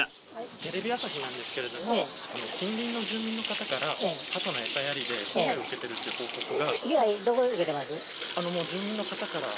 テレビ朝日なんですけども近隣の住民の方からハトの餌やりで被害を受けているっていう報告が。